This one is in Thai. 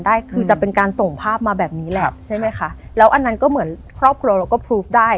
ได้คือจะเป็นการส่งภาพมาแบบนี้แหละใช่ไหมคะแล้วอันนั้นก็เหมือนครอบครัวเราก็พลูฟได้